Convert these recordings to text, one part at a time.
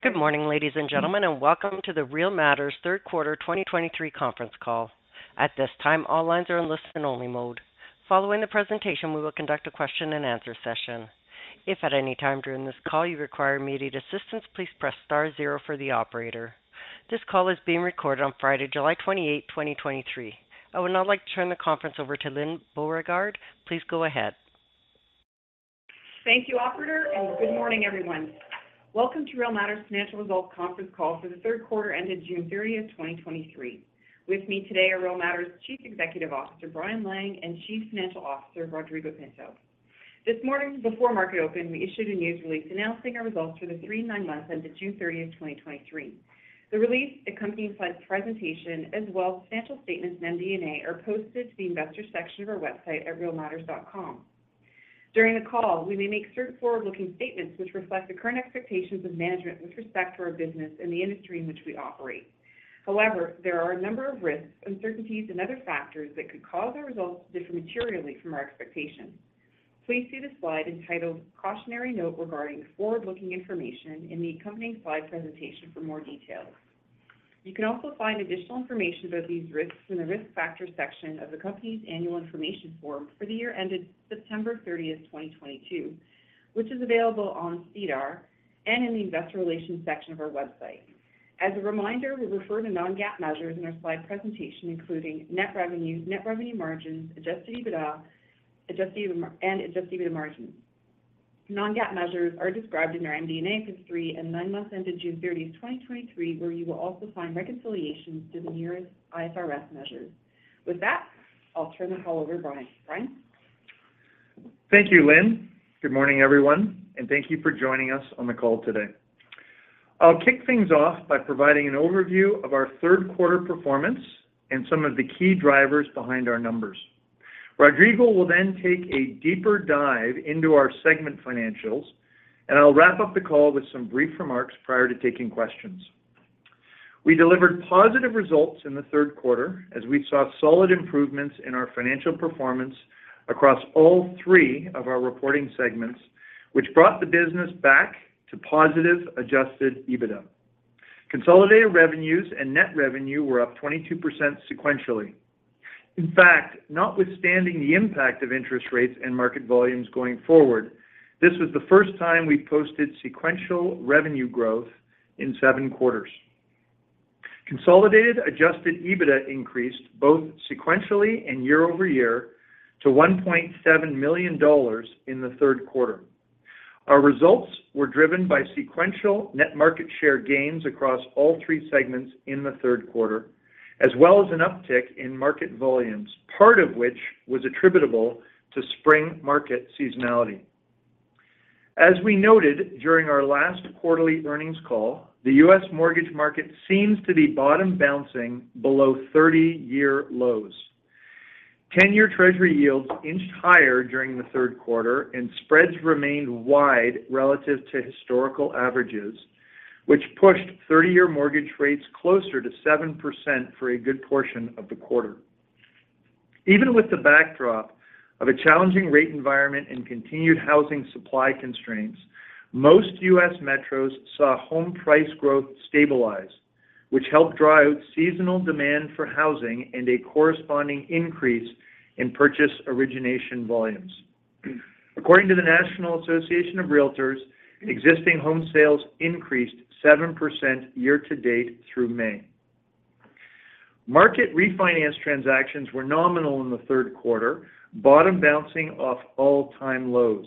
Good morning, ladies and gentlemen, welcome to the Real Matters Third Quarter 2023 conference call. At this time, all lines are in listen-only mode. Following the presentation, we will conduct a question and answer session. If at any time during this call you require immediate assistance, please press star zero for the operator. This call is being recorded on Friday, July 28, 2023. I would now like to turn the conference over to Lyne Beauregard. Please go ahead. Thank you, operator. Good morning, everyone. Welcome to Real Matters Financial Results conference call for the third quarter ended June 30th, 2023. With me today are Real Matters' Chief Executive Officer, Brian Lang, and Chief Financial Officer, Rodrigo Pinto. This morning, before market open, we issued a news release announcing our results for the three nine months end to June 30, 2023. The release, the company slide presentation, as well as financial statements and MD&A, are posted to the investor section of our website at realmatters.com. During the call, we may make certain forward-looking statements which reflect the current expectations of management with respect to our business and the industry in which we operate. However, there are a number of risks, uncertainties and other factors that could cause our results to differ materially from our expectations. Please see the slide entitled Cautionary Note regarding forward-looking information in the accompanying slide presentation for more details. You can also find additional information about these risks in the Risk Factors section of the company's annual information form for the year ended September 30th, 2022, which is available on SEDAR and in the Investor Relations section of our website. As a reminder, we refer to non-GAAP measures in our slide presentation, including net revenues, net revenue margins, adjusted EBITDA, adjusted EBIT and adjusted EBITDA margins. Non-GAAP measures are described in our MD&A for three and nine months ended June 30th, 2023, where you will also find reconciliations to the nearest IFRS measures. With that, I'll turn the call over to Brian. Brian? Thank you, Lyne. Good morning, everyone, thank you for joining us on the call today. I'll kick things off by providing an overview of our third quarter performance and some of the key drivers behind our numbers. Rodrigo will take a deeper dive into our segment financials, I'll wrap up the call with some brief remarks prior to taking questions. We delivered positive results in the third quarter as we saw solid improvements in our financial performance across all three of our reporting segments, which brought the business back to positive adjusted EBITDA. Consolidated revenues and net revenue were up 22% sequentially. In fact, notwithstanding the impact of interest rates and market volumes going forward, this was the first time we posted sequential revenue growth in seven quarters. Consolidated adjusted EBITDA increased both sequentially and year-over-year to $1.7 million in the third quarter. Our results were driven by sequential net market share gains across all three segments in the third quarter, as well as an uptick in market volumes, part of which was attributable to spring market seasonality. As we noted during our last quarterly earnings call, the U.S. mortgage market seems to be bottom bouncing below 30-year lows. 10-year Treasury yields inched higher during the third quarter, and spreads remained wide relative to historical averages, which pushed 30-year mortgage rates closer to 7% for a good portion of the quarter. Even with the backdrop of a challenging rate environment and continued housing supply constraints, most U.S. metros saw home price growth stabilize, which helped drive out seasonal demand for housing and a corresponding increase in purchase origination volumes. According to the National Association of Realtors, existing home sales increased 7% year-to-date through May. Market refinance transactions were nominal in the third quarter, bottom bouncing off all-time lows.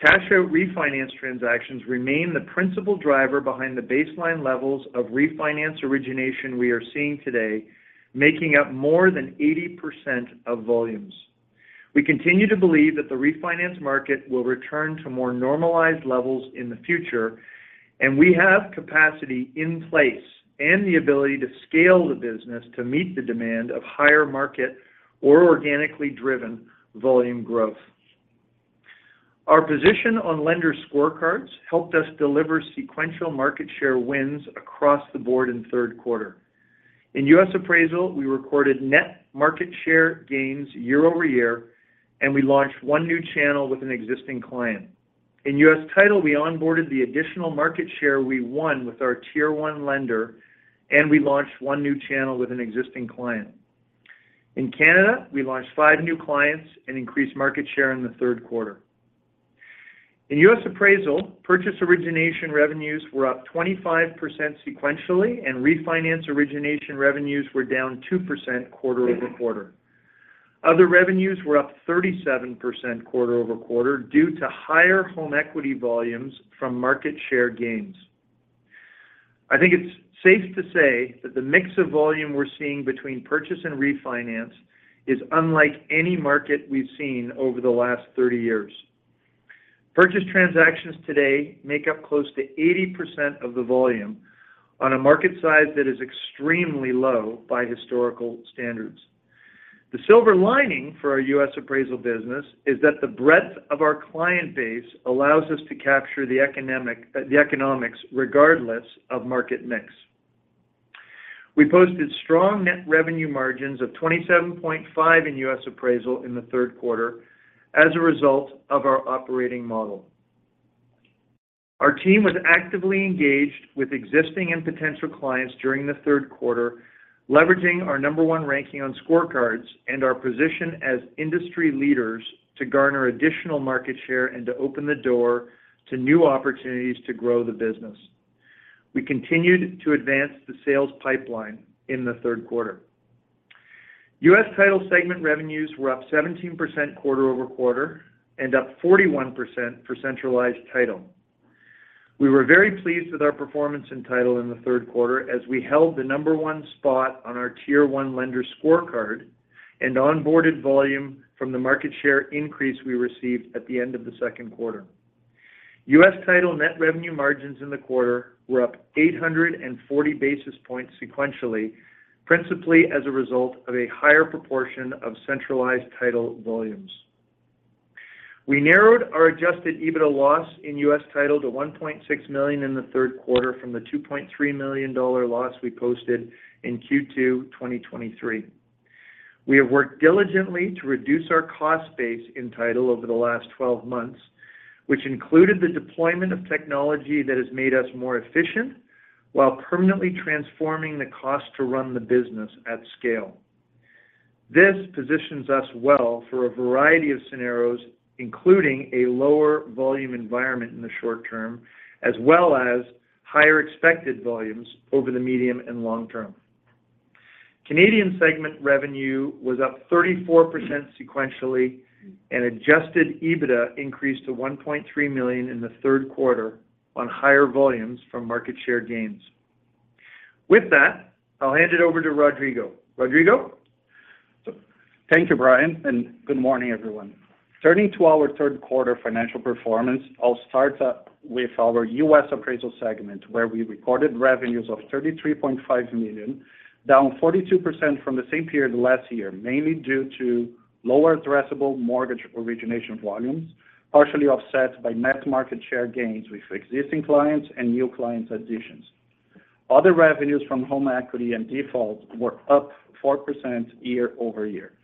Cash-out refinance transactions remain the principal driver behind the baseline levels of refinance origination we are seeing today, making up more than 80% of volumes. We continue to believe that the refinance market will return to more normalized levels in the future, and we have capacity in place and the ability to scale the business to meet the demand of higher market or organically driven volume growth. Our position on lender scorecards helped us deliver sequential market share wins across the board in third quarter. In U.S. Appraisal, we recorded net market share gains year-over-year, and we launched one new channel with an existing client. In U.S. Title, we onboarded the additional market share we won with our Tier 1 lender, and we launched one new channel with an existing client. In Canada, we launched five new clients and increased market share in the third quarter. In U.S. Appraisal, purchase origination revenues were up 25% sequentially, and refinance origination revenues were down 2% quarter-over-quarter. Other revenues were up 37% quarter-over-quarter due to higher home equity volumes from market share gains. I think it's safe to say that the mix of volume we're seeing between purchase and refinance is unlike any market we've seen over the last 30 years. Purchase transactions today make up close to 80% of the volume on a market size that is extremely low by historical standards. The silver lining for our U.S. Appraisal business is that the breadth of our client base allows us to capture the economics, regardless of market mix. We posted strong net revenue margins of 27.5% in U.S. Appraisal in the third quarter as a result of our operating model. Our team was actively engaged with existing and potential clients during the third quarter, leveraging our number 1 ranking on scorecards and our position as industry leaders to garner additional market share and to open the door to new opportunities to grow the business. We continued to advance the sales pipeline in the third quarter. U.S. Title segment revenues were up 17% quarter-over-quarter, and up 41% for centralized title. We were very pleased with our performance in Title in the third quarter, as we held the number one spot on our Tier 1 lender scorecard and onboarded volume from the market share increase we received at the end of the second quarter. U.S. Title net revenue margins in the quarter were up 840 basis points sequentially, principally as a result of a higher proportion of centralized title volumes. We narrowed our adjusted EBITDA loss in U.S. Title to $1.6 million in the third quarter from the $2.3 million loss we posted in Q2 2023. We have worked diligently to reduce our cost base in Title over the last 12 months, which included the deployment of technology that has made us more efficient while permanently transforming the cost to run the business at scale. This positions us well for a variety of scenarios, including a lower volume environment in the short term, as well as higher expected volumes over the medium and long term. Canadian segment revenue was up 34% sequentially. Adjusted EBITDA increased to 1.3 million in the third quarter on higher volumes from market share gains. With that, I'll hand it over to Rodrigo. Rodrigo? Thank you, Brian, good morning, everyone. Turning to our third quarter financial performance, I'll start up with our U.S. Appraisal segment, where we recorded revenues of $33.5 million, down 42% from the same period last year, mainly due to lower addressable mortgage origination volumes, partially offset by net market share gains with existing clients and new client additions. Other revenues from home equity and default were up 4% year-over-year.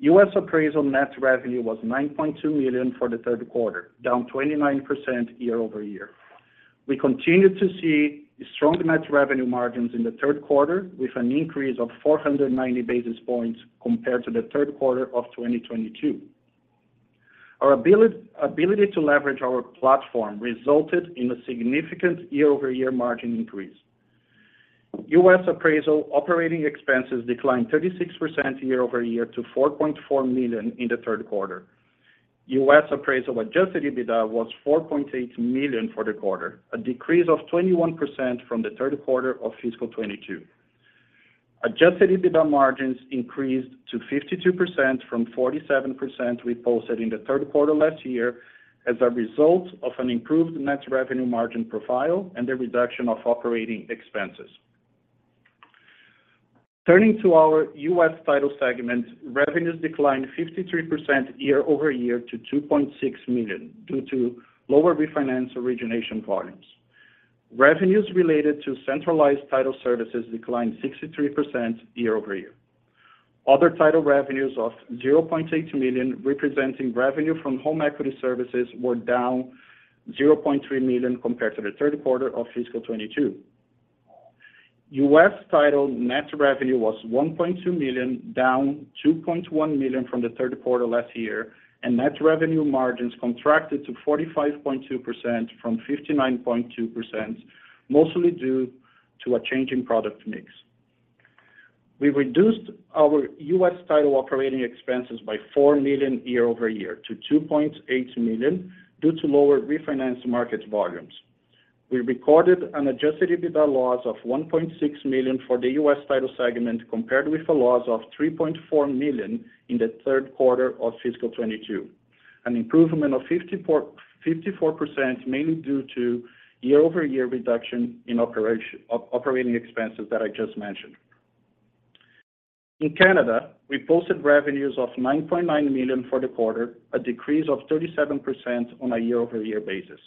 U.S. Appraisal net revenue was $9.2 million for the third quarter, down 29% year-over-year. We continued to see strong net revenue margins in the third quarter, with an increase of 490 basis points compared to the third quarter of 2022. Our ability to leverage our platform resulted in a significant year-over-year margin increase. U.S. Appraisal operating expenses declined 36% year-over-year to $4.4 million in the third quarter. U.S. Appraisal adjusted EBITDA was $4.8 million for the quarter, a decrease of 21% from the third quarter of Fiscal Year 2022. Adjusted EBITDA margins increased to 52% from 47% we posted in the third quarter last year, as a result of an improved net revenue margin profile and the reduction of operating expenses. Turning to our U.S. Title segment, revenues declined 53% year-over-year to $2.6 million due to lower refinance origination volumes. Revenues related to centralized title services declined 63% year-over-year. Other title revenues of $0.8 million, representing revenue from home equity services, were down $0.3 million compared to the third quarter of Fiscal Year 2022. U.S. Title net revenue was $1.2 million, down $2.1 million from the third quarter last year, and net revenue margins contracted to 45.2% from 59.2%, mostly due to a change in product mix. We reduced our U.S. Title operating expenses by $4 million year-over-year to $2.8 million due to lower refinance market volumes. We recorded an adjusted EBITDA loss of $1.6 million for the U.S. Title segment, compared with a loss of $3.4 million in the third quarter of Fiscal Year 2022, an improvement of 54%, mainly due to year-over-year reduction in operating expenses that I just mentioned. In Canada, we posted revenues of $9.9 million for the quarter, a decrease of 37% on a year-over-year basis.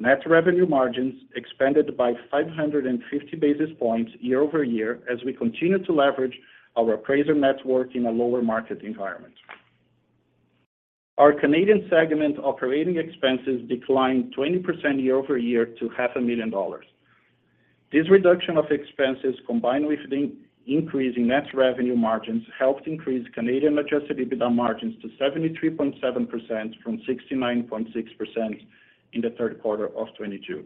Net revenue margins expanded by 550 basis points year-over-year as we continued to leverage our appraiser network in a lower market environment. Our Canadian segment operating expenses declined 20% year-over-year to $500,000. This reduction of expenses, combined with the increase in net revenue margins, helped increase Canadian adjusted EBITDA margins to 73.7% from 69.6% in the third quarter of 2022.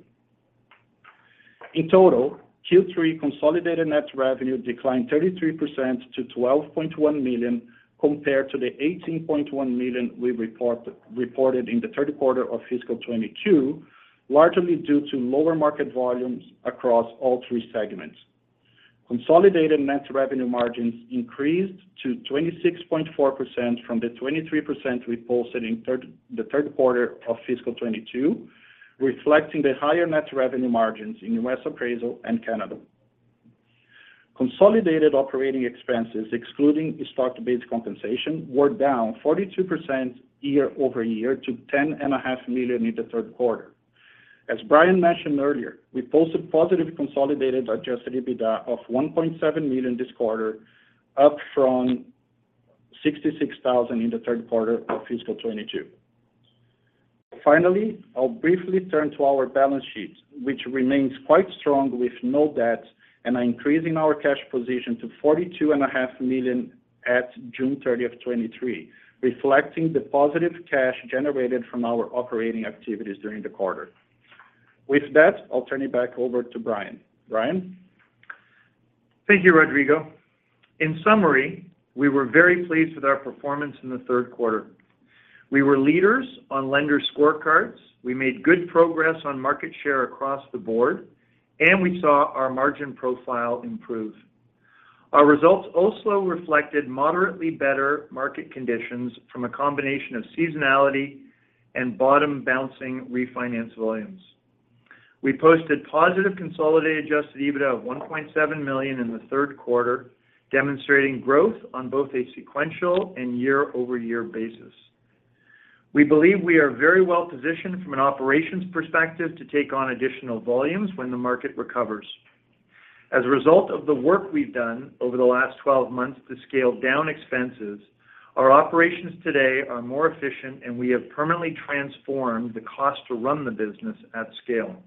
In total, Q3 consolidated net revenue declined 33% to $12.1 million, compared to the $18.1 million we reported in the third quarter of fiscal 2022, largely due to lower market volumes across all three segments. Consolidated net revenue margins increased to 26.4% from the 23% we posted in the third quarter of Fiscal Year 2022, reflecting the higher net revenue margins in U.S. Appraisal and Canada. Consolidated operating expenses, excluding stock-based compensation, were down 42% year-over-year to $10.5 million in the third quarter. As Brian mentioned earlier, we posted positive consolidated adjusted EBITDA of $1.7 million this quarter, up from $66,000 in the third quarter of Fiscal Year 2022. Finally, I'll briefly turn to our balance sheet, which remains quite strong with no debt and are increasing our cash position to $42.5 million at June 30th, 2023, reflecting the positive cash generated from our operating activities during the quarter. With that, I'll turn it back over to Brian. Brian? Thank you, Rodrigo. In summary, we were very pleased with our performance in the third quarter. We were leaders on lender scorecards. We made good progress on market share across the board. We saw our margin profile improve. Our results also reflected moderately better market conditions from a combination of seasonality and bottom-bouncing refinance volumes. We posted positive consolidated adjusted EBITDA of $1.7 million in the third quarter, demonstrating growth on both a sequential and year-over-year basis. We believe we are very well positioned from an operations perspective to take on additional volumes when the market recovers. As a result of the work we've done over the last 12 months to scale down expenses, our operations today are more efficient. We have permanently transformed the cost to run the business at scale.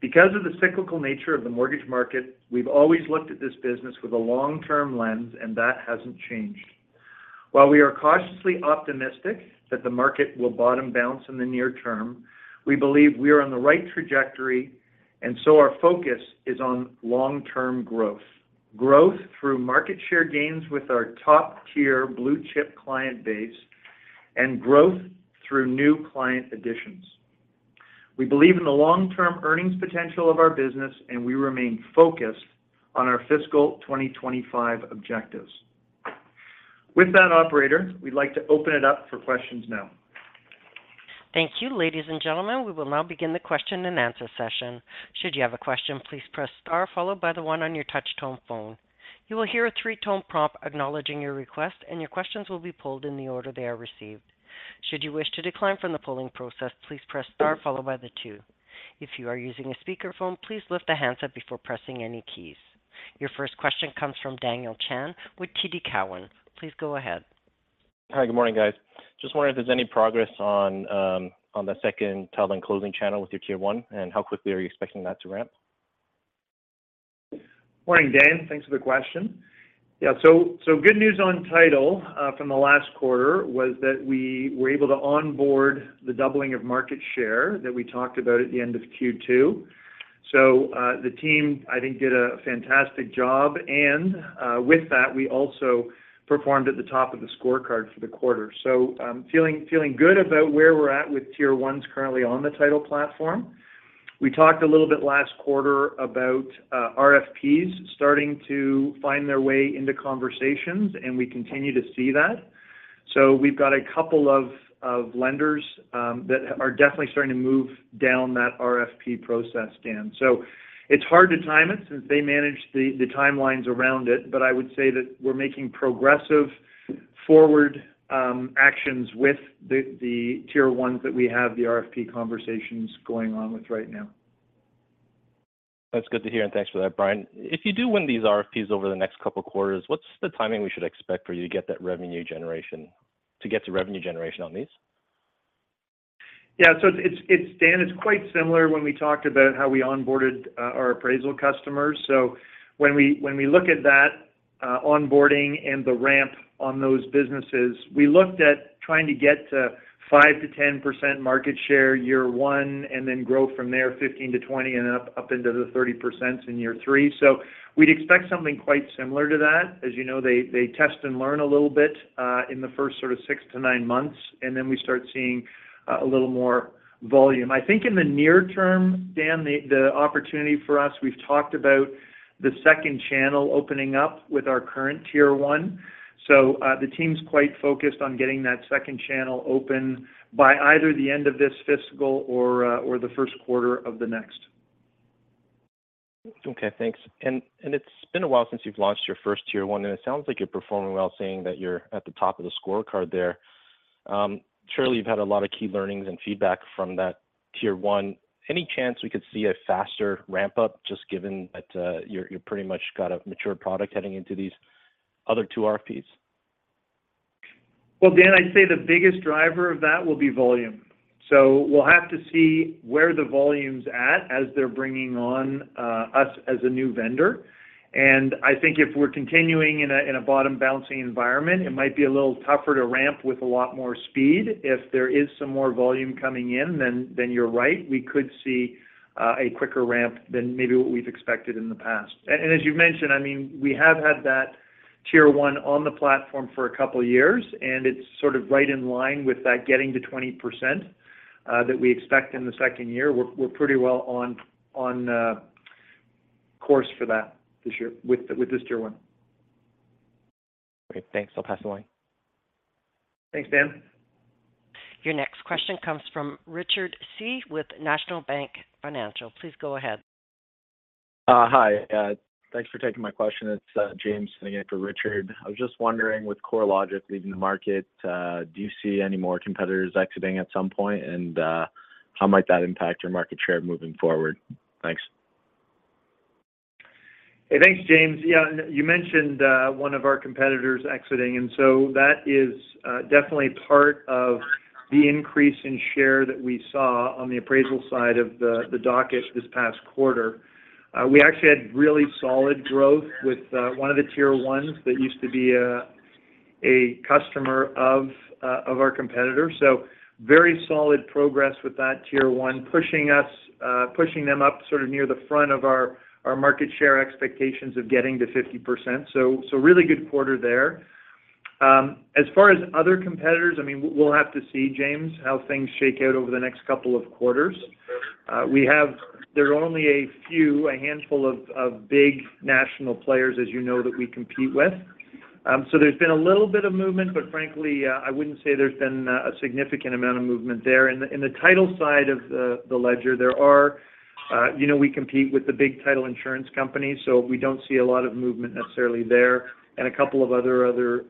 Because of the cyclical nature of the mortgage market, we've always looked at this business with a long-term lens, and that hasn't changed. While we are cautiously optimistic that the market will bottom bounce in the near term, we believe we are on the right trajectory, and so our focus is on long-term growth. Growth through market share gains with our top-tier blue-chip client base, and growth through new client additions. We believe in the long-term earnings potential of our business, and we remain focused on our Fiscal Year 2025 objectives. With that, operator, we'd like to open it up for questions now. Thank you, ladies and gentlemen. We will now begin the question and answer session. Should you have a question, please press Star, followed by the one on your touch tone phone. You will hear a three-tone prompt acknowledging your request, and your questions will be pulled in the order they are received. Should you wish to decline from the polling process, please press Star, followed by the two. If you are using a speakerphone, please lift the handset before pressing any keys. Your first question comes from Daniel Chan with TD Cowen. Please go ahead. Hi, good morning, guys. Just wondering if there's any progress on, on the second title and closing channel with your Tier 1, and how quickly are you expecting that to ramp? Morning, Dan. Thanks for the question. Yeah, good news on title from the last quarter was that we were able to onboard the doubling of market share that we talked about at the end of Q2. The team, I think, did a fantastic job, and with that, we also performed at the top of the scorecard for the quarter. I'm feeling, feeling good about where we're at with Tier 1 currently on the title platform. We talked a little bit last quarter about RFPs starting to find their way into conversations, and we continue to see that. We've got a couple of, of lenders that are definitely starting to move down that RFP process, Dan. It's hard to time it since they manage the, the timelines around it, but I would say that we're making progressive forward actions with the, the Tier 1 that we have the RFP conversations going on with right now. That's good to hear. Thanks for that, Brian. If you do win these RFPs over the next couple of quarters, what's the timing we should expect for you to get to revenue generation on these? Yeah, it's, it's, Dan, it's quite similar when we talked about how we onboarded our appraisal customers. When we, when we look at that onboarding and the ramp on those businesses, we looked at trying to get to 5%-10% market share year one, and then grow from there, 15%-20%, and up, up into the 30% in year three. We'd expect something quite similar to that. As you know, they, they test and learn a little bit in the first sort of six to nine months, and then we start seeing a little more volume. I think in the near term, Dan, the opportunity for us, we've talked about the second channel opening up with our current Tier 1. The team's quite focused on getting that second channel open by either the end of this fiscal or, or the first quarter of the next. Okay, thanks. It's been a while since you've launched your first Tier 1, and it sounds like you're performing well, saying that you're at the top of the scorecard there. Surely you've had a lot of key learnings and feedback from that Tier 1. Any chance we could see a faster ramp-up, just given that you're pretty much got a mature product heading into these other two RFPs? Well, Dan, I'd say the biggest driver of that will be volume. We'll have to see where the volume's at as they're bringing on us as a new vendor. I think if we're continuing in a bottom-bouncing environment, it might be a little tougher to ramp with a lot more speed. If there is some more volume coming in, then you're right, we could see a quicker ramp than maybe what we've expected in the past. As you've mentioned, I mean, we have had that tier one on the platform for a couple of years, and it's sort of right in line with that getting to 20% that we expect in the second year. We're pretty well on course for that this year with this tier one. Great. Thanks. I'll pass the line. Thanks, Dan. Your next question comes from Richard Tse with National Bank Financial. Please go ahead. Hi, thanks for taking my question. It's James sitting in for Richard. I was just wondering, with CoreLogic leading the market, do you see any more competitors exiting at some point? How might that impact your market share moving forward? Thanks. Hey, thanks, James. Yeah, you mentioned one of our competitors exiting. That is definitely part of the increase in share that we saw on the appraisal side of the docket this past quarter. We actually had really solid growth with one of the Tier 1 that used to be a customer of our competitor. Very solid progress with that Tier 1, pushing them up sort of near the front of our market share expectations of getting to 50%. Really good quarter there. As far as other competitors, I mean, we'll have to see, James, how things shake out over the next couple of quarters. There are only a few, a handful of big national players, as you know, that we compete with. There's been a little bit of movement, but frankly, I wouldn't say there's been a significant amount of movement there. In the, in the title side of the, the ledger, there are, you know, we compete with the big title insurance companies, so we don't see a lot of movement necessarily there, and a couple of other, other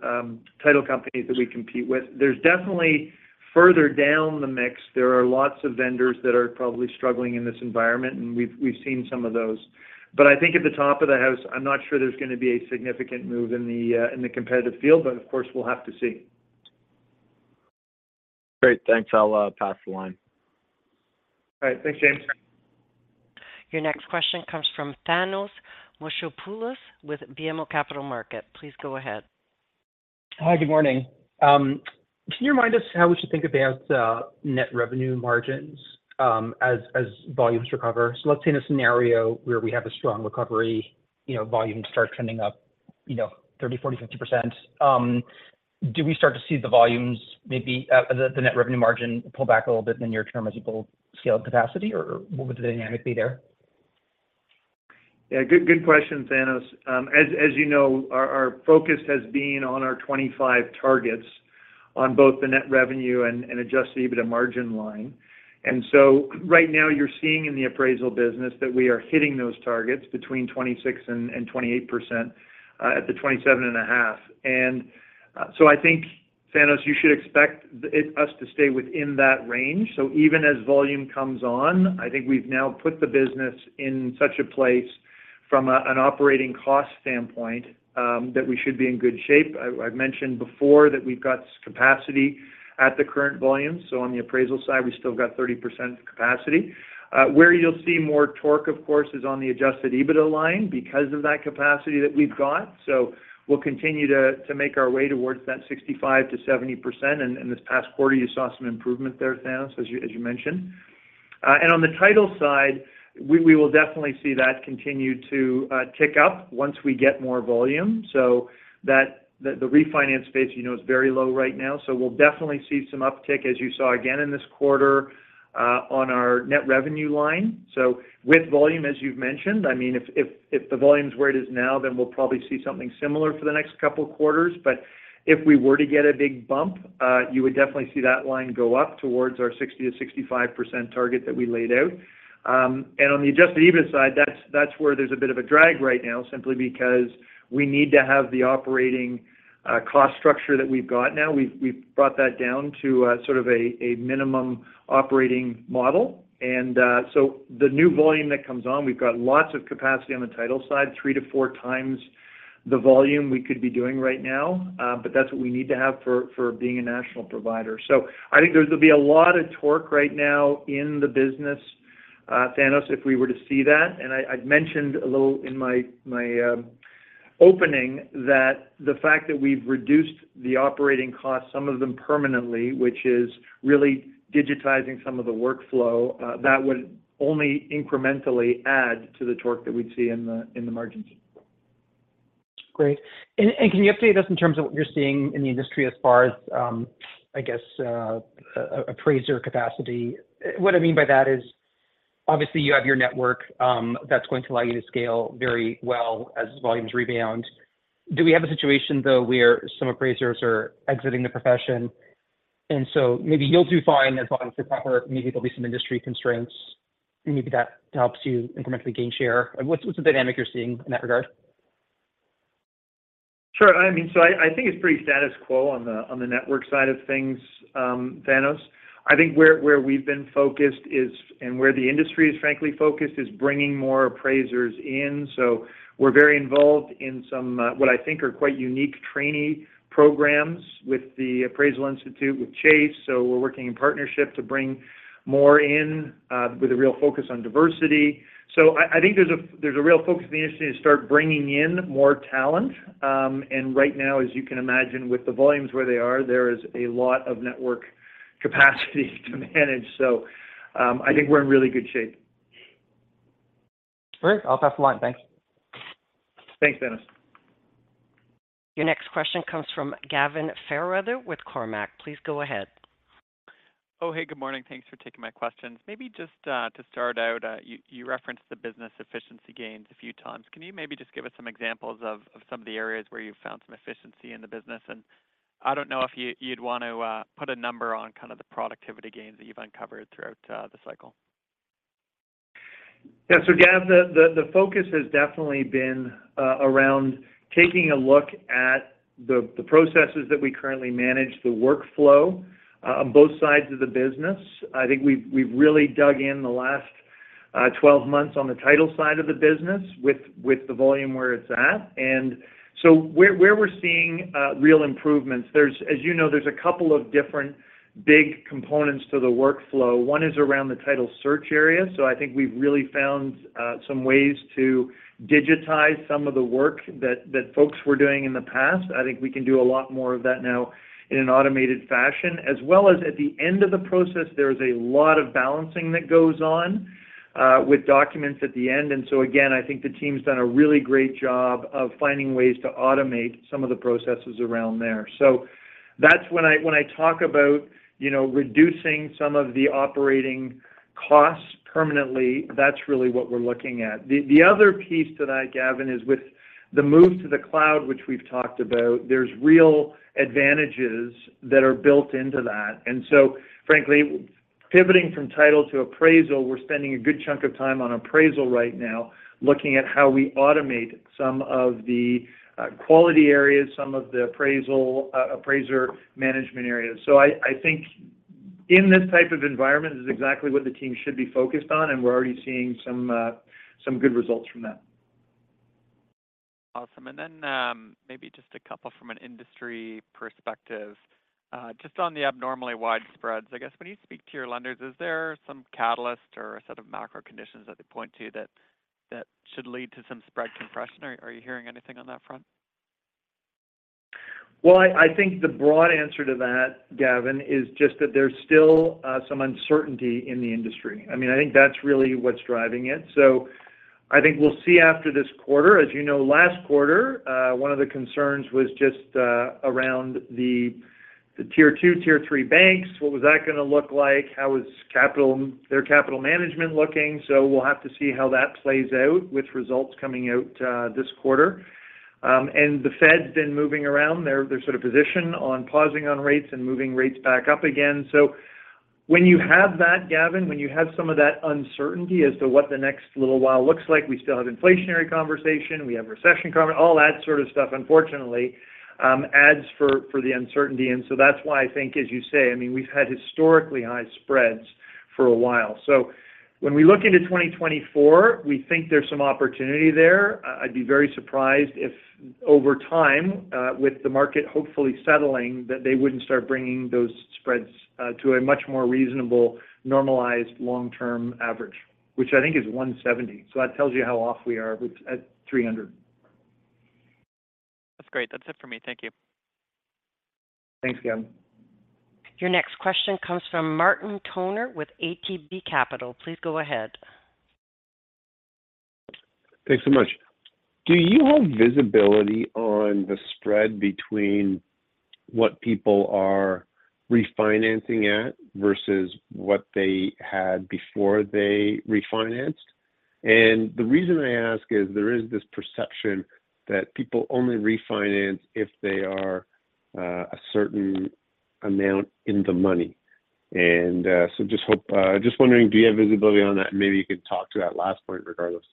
title companies that we compete with. There's definitely further down the mix, there are lots of vendors that are probably struggling in this environment, and we've, we've seen some of those. I think at the top of the house, I'm not sure there's going to be a significant move in the competitive field, but of course, we'll have to see. Great. Thanks. I'll pass the line. All right. Thanks, James. Your next question comes from Thanos Moschopoulos with BMO Capital Markets. Please go ahead. Hi, good morning. Can you remind us how we should think about net revenue margins as volumes recover? Let's say in a scenario where we have a strong recovery, you know, volumes start trending up, you know, 30%, 40%, 50%, do we start to see the volumes, maybe, the net revenue margin pull back a little bit in the near term as you build scale and capacity, or what would the dynamic be there? Yeah, good, good question, Thanos. As you know, our focus has been on our 25 targets on both the net revenue and adjusted EBITDA margin line. Right now you're seeing in the appraisal business that we are hitting those targets between 26% and 28%, at the 27.5%. I think, Thanos, you should expect us to stay within that range. Even as volume comes on, I think we've now put the business in such a place from an operating cost standpoint, that we should be in good shape. I've mentioned before that we've got capacity at the current volume, so on the appraisal side, we still got 30% capacity. Where you'll see more torque, of course, is on the adjusted EBITDA line because of that capacity that we've got. We'll continue to, to make our way towards that 65%-70%. This past quarter, you saw some improvement there, Thanos, as you, as you mentioned. And on the title side, we, we will definitely see that continue to tick up once we get more volume. That, the, the refinance space, you know, is very low right now, so we'll definitely see some uptick, as you saw again in this quarter, on our net revenue line. With volume, as you've mentioned, I mean, if, if, if the volume is where it is now, then we'll probably see something similar for the next couple of quarters. If we were to get a big bump, you would definitely see that line go up towards our 60%-65% target that we laid out. On the adjusted EBITDA side, that's, that's where there's a bit of a drag right now, simply because we need to have the operating cost structure that we've got now. We've, we've brought that down to sort of a minimum operating model. So the new volume that comes on, we've got lots of capacity on the title side, 3-4x the volume we could be doing right now, but that's what we need to have for, for being a national provider. I think there's going to be a lot of torque right now in the business, Thanos, if we were to see that. I, I mentioned a little in my, my opening that the fact that we've reduced the operating costs, some of them permanently, which is really digitizing some of the workflow, that would only incrementally add to the torque that we'd see in the, in the margins. Great. Can you update us in terms of what you're seeing in the industry as far as, I guess, appraiser capacity? What I mean by that is, obviously, you have your network, that's going to allow you to scale very well as volumes rebound. Do we have a situation, though, where some appraisers are exiting the profession, and so maybe you'll do fine as volumes recover, maybe there'll be some industry constraints, maybe that helps you incrementally gain share? What's the dynamic you're seeing in that regard? Sure. I mean, I, I think it's pretty status quo on the, on the network side of things, Thanos. I think where, where we've been focused is, and where the industry is frankly focused, is bringing more appraisers in. We're very involved in some, what I think are quite unique trainee programs with the Appraisal Institute, with Chase. We're working in partnership to bring more in, with a real focus on diversity. I, I think there's a, there's a real focus in the industry to start bringing in more talent. And right now, as you can imagine, with the volumes where they are, there is a lot of network capacity to manage. I think we're in really good shape. Great. I'll pass the line. Thanks. Thanks, Thanos. Your next question comes from Gavin Fairweather with Cormark. Please go ahead. Oh, hey, good morning. Thanks for taking my questions. Maybe just to start out, you, you referenced the business efficiency gains a few times. Can you maybe just give us some examples of, of some of the areas where you found some efficiency in the business? I don't know if you, you'd want to put a number on kind of the productivity gains that you've uncovered throughout the cycle. Yeah. Gav, the, the, the focus has definitely been around taking a look at the processes that we currently manage, the workflow, on both sides of the business. I think we've, we've really dug in the last 12 months on the title side of the business with, with the volume where it's at. Where, where we're seeing real improvements, as you know, there's a couple of different big components to the workflow. One is around the title search area. I think we've really found some ways to digitize some of the work that, that folks were doing in the past. I think we can do a lot more of that now in an automated fashion. As well as at the end of the process, there is a lot of balancing that goes on with documents at the end. Again, I think the team's done a really great job of finding ways to automate some of the processes around there. That's when I talk about, you know, reducing some of the operating costs permanently, that's really what we're looking at. The other piece to that, Gavin, is with the move to the cloud, which we've talked about, there's real advantages that are built into that. Frankly, pivoting from title to appraisal, we're spending a good chunk of time on appraisal right now, looking at how we automate some of the quality areas, some of the appraisal, appraiser management areas. I, I think in this type of environment, this is exactly what the team should be focused on, and we're already seeing some good results from that. Awesome. Maybe just a couple from an industry perspective. Just on the abnormally wide spreads, I guess, when you speak to your lenders, is there some catalyst or a set of macro conditions that they point to that, that should lead to some spread compression? Are you, are you hearing anything on that front? Well, I, I think the broad answer to that, Gavin, is just that there's still some uncertainty in the industry. I mean, I think that's really what's driving it. I think we'll see after this quarter. As you know, last quarter, one of the concerns was just around the, the Tier two, Tier three banks. What was that going to look like? How was capital- their capital management looking? We'll have to see how that plays out with results coming out, this quarter. The Fed's been moving around their, their sort of position on pausing on rates and moving rates back up again. When you have that, Gavin, when you have some of that uncertainty as to what the next little while looks like, we still have inflationary conversation, we have recession con- all that sort of stuff, unfortunately, adds for the uncertainty. That's why I think, as you say, I mean, we've had historically high spreads for a while. When we look into 2024, we think there's some opportunity there. I'd be very surprised if over time, with the market hopefully settling, that they wouldn't start bringing those spreads to a much more reasonable, normalized long-term average, which I think is 170. That tells you how off we are with, at 300. That's great. That's it for me. Thank you. Thanks, Gavin. Your next question comes from Martin Toner with ATB Capital. Please go ahead. Thanks so much. Do you have visibility on the spread between what people are refinancing at versus what they had before they refinanced? The reason I ask is, there is this perception that people only refinance if they are a certain amount in the money. Just hope, just wondering, do you have visibility on that? Maybe you could talk to that last point, regardless.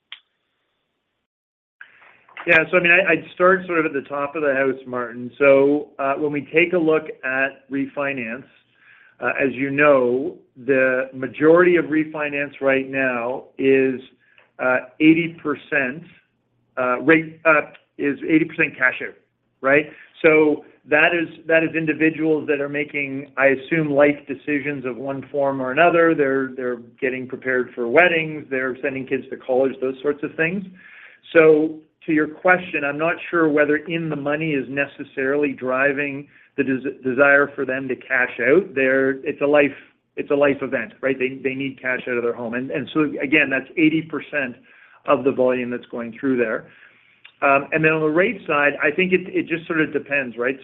Yeah. I mean, I, I'd start sort of at the top of the house, Martin. When we take a look at refinance, as you know, the majority of refinance right now is 80% rate, is 80% cash out, right? That is, that is individuals that are making, I assume, life decisions of one form or another. They're, they're getting prepared for weddings, they're sending kids to college, those sorts of things. To your question, I'm not sure whether in the money is necessarily driving the desire for them to cash out. It's a life, it's a life event, right? They, they need cash out of their home. Again, that's 80% of the volume that's going through there. Then on the rate side, I think it, it just sort of depends, right?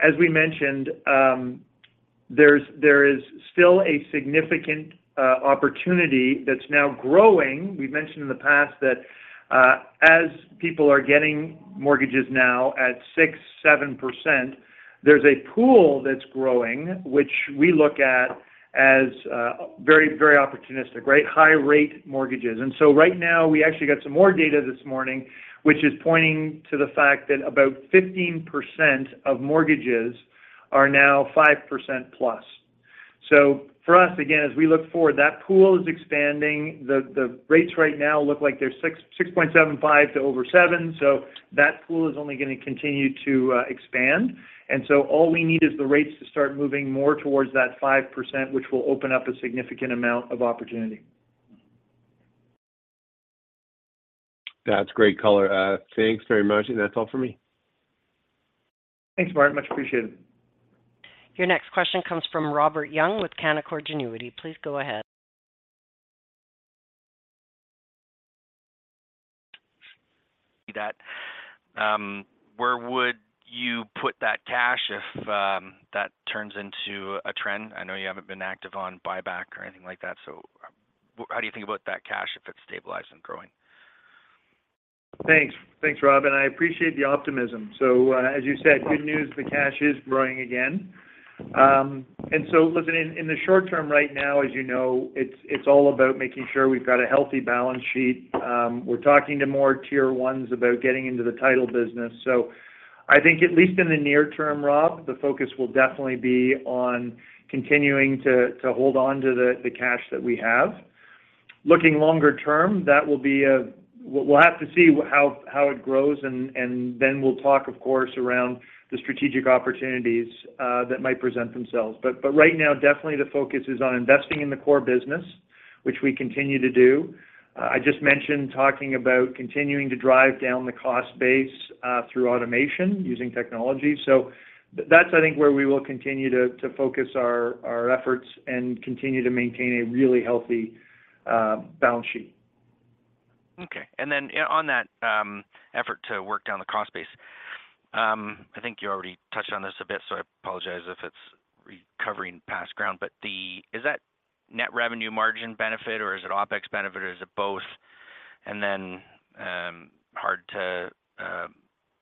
As we mentioned, there's, there is still a significant opportunity that's now growing. We've mentioned in the past that, as people are getting mortgages now at 6%, 7%, there's a pool that's growing, which we look at as very, very opportunistic, right? High-rate mortgages. Right now, we actually got some more data this morning, which is pointing to the fact that about 15% of mortgages are now 5% plus. For us, again, as we look forward, that pool is expanding. The, the rates right now look like they're 6%-6.75% to over 7%, so that pool is only going to continue to expand. All we need is the rates to start moving more towards that 5%, which will open up a significant amount of opportunity. That's great color. Thanks very much, and that's all for me. Thanks, Martin. Much appreciated. Your next question comes from Robert Young with Canaccord Genuity. Please go ahead. That. Where would you put that cash if, that turns into a trend? I know you haven't been active on buyback or anything like that, so how do you think about that cash if it's stabilized and growing? Thanks. Thanks, Robert Young, and I appreciate the optimism. As you said, good news, the cash is growing again. Listen, in the short term right now, as you know, it's all about making sure we've got a healthy balance sheet. We're talking to more Tier 1 about getting into the U.S. Title business. I think at least in the near term, Robert Young, the focus will definitely be on continuing to hold on to the cash that we have. Looking longer term, that will be, we'll have to see how it grows, and then we'll talk, of course, around the strategic opportunities that might present themselves. Right now, definitely the focus is on investing in the core business, which we continue to do. I just mentioned talking about continuing to drive down the cost base, through automation, using technology. That's, I think, where we will continue to, to focus our, our efforts and continue to maintain a really healthy, balance sheet. Okay. Then, on that, effort to work down the cost base, I think you already touched on this a bit, so I apologize if it's recovering past ground, is that net revenue margin benefit, or is it OpEx benefit, or is it both? Then, hard to,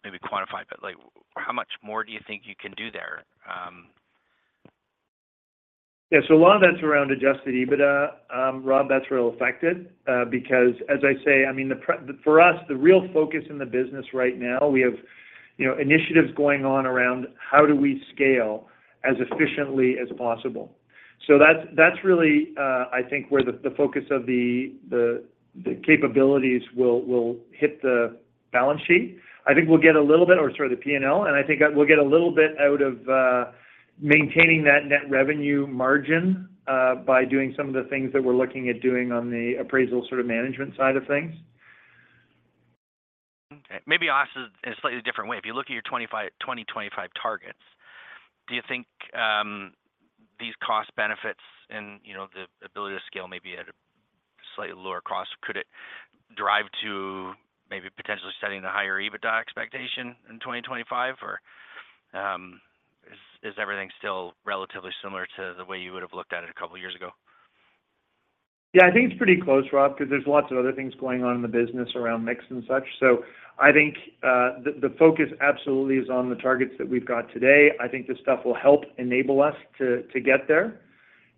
maybe quantify, but, like, how much more do you think you can do there? Yeah, a lot of that's around adjusted EBITDA. Rob, that's real affected, because as I say, I mean, the pre- for us, the real focus in the business right now, we have, you know, initiatives going on around how do we scale as efficiently as possible. That's, that's really, I think, where the, the focus of the, the, the capabilities will, will hit the balance sheet. I think we'll get a little bit- or sorry, the P&L, and I think we'll get a little bit out of maintaining that net revenue margin by doing some of the things that we're looking at doing on the appraisal sort of management side of things. Okay. Maybe I'll ask this in a slightly different way. If you look at your 2025 targets, do you think, these cost benefits and, you know, the ability to scale maybe at a slightly lower cost, could it drive to maybe potentially setting the higher EBITDA expectation in 2025? Or, is, is everything still relatively similar to the way you would have looked at it a couple of years ago? Yeah, I think it's pretty close, Rob, because there's lots of other things going on in the business around mix and such. I think the focus absolutely is on the targets that we've got today. I think this stuff will help enable us to, to get there.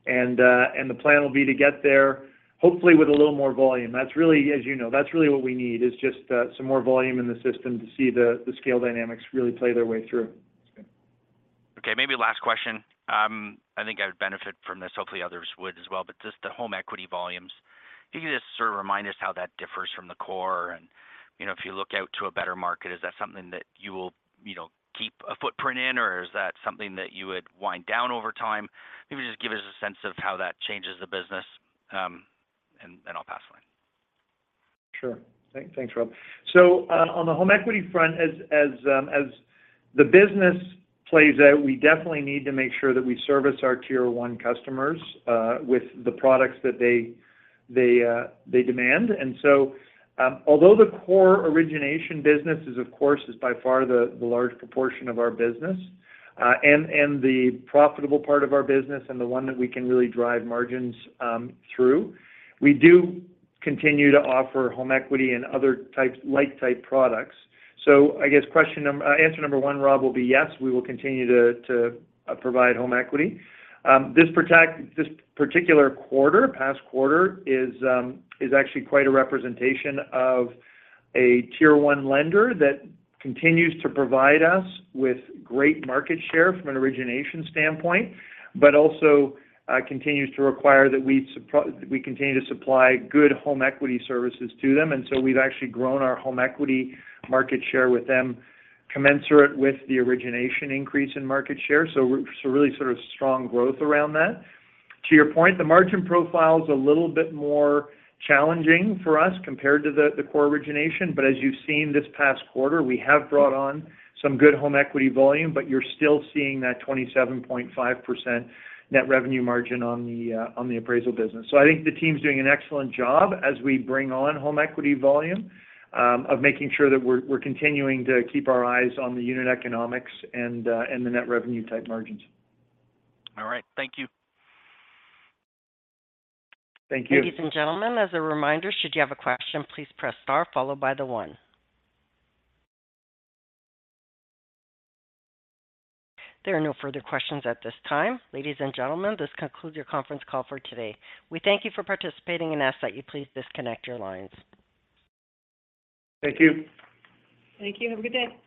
The plan will be to get there, hopefully with a little more volume. That's really, as you know, that's really what we need, is just some more volume in the system to see the scale dynamics really play their way through. Okay. Maybe last question. I think I would benefit from this, hopefully others would as well. Just the home equity volumes, can you just sort of remind us how that differs from the core? You know, if you look out to a better market, is that something that you will, you know, keep a footprint in, or is that something that you would wind down over time? Maybe just give us a sense of how that changes the business, and then I'll pass away. Sure. Thank, thanks, Rob. On the home equity front, as, as, as the business plays out, we definitely need to make sure that we service our Tier 1 customers, with the products that they, they, they demand. Although the core origination business is, of course, is by far the, the large proportion of our business, and, and the profitable part of our business and the one that we can really drive margins, through, we do continue to offer home equity and other types, like type products. I guess question answer number one, Rob, will be yes, we will continue to, to, provide home equity. This particular quarter, past quarter, is actually quite a representation of a Tier 1 lender that continues to provide us with great market share from an origination standpoint, but also continues to require that we continue to supply good home equity services to them. We've actually grown our home equity market share with them, commensurate with the origination increase in market share. Really sort of strong growth around that. To your point, the margin profile is a little bit more challenging for us compared to the core origination. As you've seen this past quarter, we have brought on some good home equity volume, but you're still seeing that 27.5% net revenue margin on the appraisal business. I think the team is doing an excellent job as we bring on home equity volume, of making sure that we're, we're continuing to keep our eyes on the unit economics and the net revenue-type margins. All right. Thank you. Thank you. Ladies and gentlemen, as a reminder, should you have a question, please press Star followed by the one. There are no further questions at this time. Ladies and gentlemen, this concludes your conference call for today. We thank you for participating and ask that you please disconnect your lines. Thank you. Thank you. Have a good day.